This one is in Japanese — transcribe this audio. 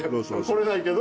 来れないけど。